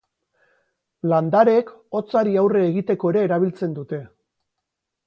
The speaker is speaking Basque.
Landareek hotzari aurre egiteko ere erabiltzen dute.